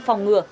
phòng ngừa đảo